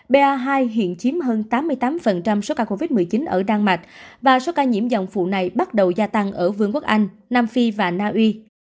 ba hai hiện chiếm hơn tám mươi tám số ca covid một mươi chín ở đan mạch và số ca nhiễm dòng phụ này bắt đầu gia tăng ở vương quốc anh nam phi và naui